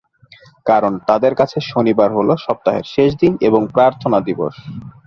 কারণ তাঁদের কাছে শনিবার হলো সপ্তাহের শেষ দিন এবং প্রার্থনা দিবস।